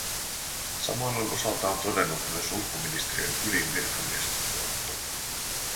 Saman on osaltaan todennut myös ulkoministeriön ylin virkamiesjohto.